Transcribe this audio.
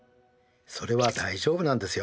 それは大丈夫なんですよ。